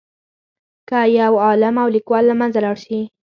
که یو عالم او لیکوال له منځه لاړ شي.